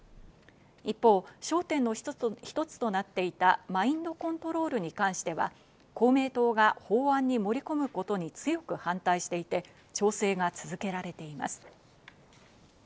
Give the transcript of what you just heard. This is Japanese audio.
一方、焦点の一つとなっていたマインドコントロールに関しては公明党が法案に盛り込むことに強く反対していて、調整が続けられています。